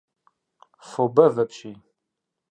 Фо бэв апщий.